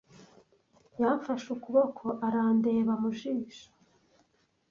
Yamfashe ukuboko arandeba mu jisho.